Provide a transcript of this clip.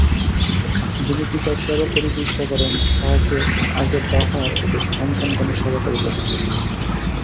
যিনি পিতার সেবা করিতে ইচ্ছা করেন, তাঁহাকে আগে তাঁহার সন্তানগণের সেবা করিতে হইবে।